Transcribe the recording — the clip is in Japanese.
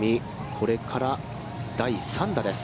これから第３打です。